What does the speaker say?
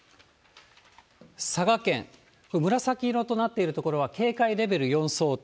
佐賀県、紫色となっている所は警戒レベル４相当。